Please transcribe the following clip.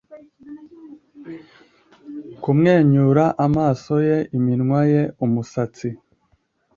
Kumwenyura. Amaso ye. Iminwa ye. Umusatsi